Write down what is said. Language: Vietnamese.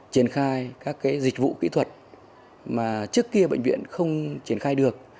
triển khai các dịch vụ kỹ thuật mà trước kia bệnh viện không triển khai được